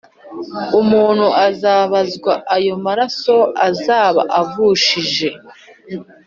muntu azabazwa ayo maraso azaba avushije